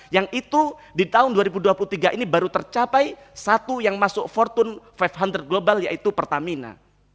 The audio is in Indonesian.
yang itu di tahun dua ribu dua puluh tiga ini baru tercapai satu yang masuk fortune lima hunder global yaitu pertamina